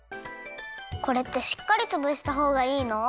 これってしっかりつぶしたほうがいいの？